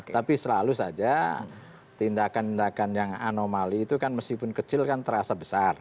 tapi selalu saja tindakan tindakan yang anomali itu kan meskipun kecil kan terasa besar